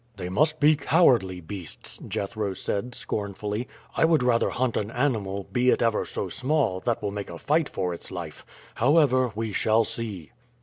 "They must be cowardly beasts!" Jethro said scornfully. "I would rather hunt an animal, be it ever so small, that will make a fight for its life. However, we shall see."